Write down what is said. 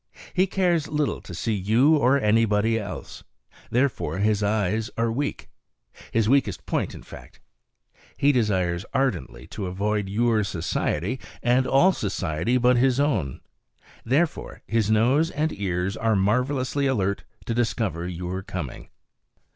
He cares little to see you or anybody else; therefore his eyes are weak his weakest point, in fact. He desires ardently to avoid your society and all society but his own; therefore his nose and ears are marvelously alert to discover your coming.